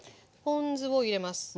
ポン酢を入れます。